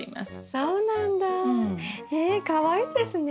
そうなんだ。えかわいいですね。